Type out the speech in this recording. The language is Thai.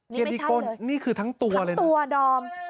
นี่ไม่ใช่เลยนี่คือทั้งตัวเลยนะทั้งตัวดอม